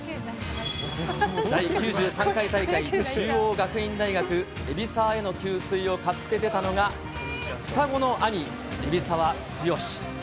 第９３回大会、中央学院大学、海老澤への給水を買って出たのが、双子の兄、海老澤剛。